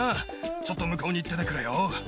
ちょっと向こうに行っててくれよ。